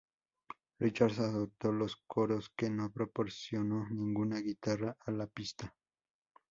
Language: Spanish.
Richards aportó los coros pero no proporcionó ninguna guitarra a la pista.